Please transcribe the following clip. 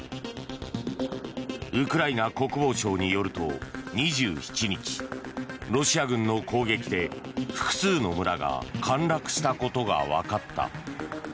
ウクライナ国防省によると２７日ロシア軍の攻撃で複数の村が陥落したことがわかった。